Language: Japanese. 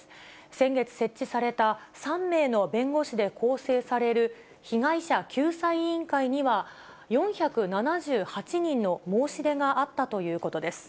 先月設置された、３名の弁護士で構成される被害者救済委員会には、４７８人の申し出があったということです。